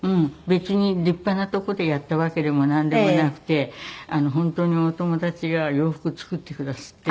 別に立派なとこでやったわけでもなんでもなくて本当にお友達が洋服作ってくだすって。